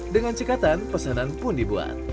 dengan cekatan pesanan pun dibuat